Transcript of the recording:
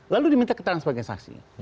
lalu diminta keterangan sebagai saksi